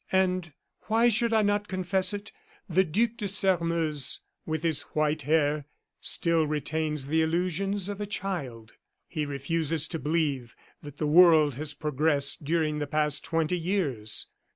And why should I not confess it? the Duc de Sairmeuse, with his white hair, still retains the illusions of a child. He refuses to believe that the world has progressed during the past twenty years.